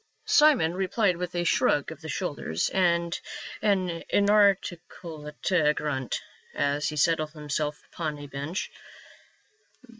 Simon replied with a shrug of the shoulders and an inarticulate grunt, as he settled himself upon a bench.